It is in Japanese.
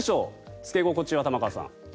着け心地は、玉川さん。